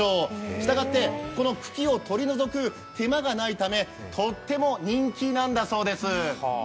したがって茎を取り除く手間がないためとても人気なんだそうです。